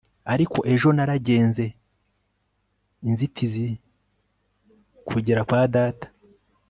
ariko ejo naragenze inzitizikugera kwa data